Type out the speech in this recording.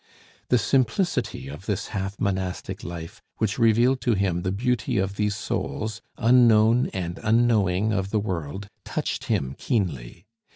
The simplicity of this half monastic life, which revealed to him the beauty of these souls, unknown and unknowing of the world, touched him keenly.